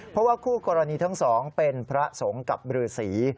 เพราะว่าคู่กรณีทั้งสองเป็นพระสงฆ์กับบรือสี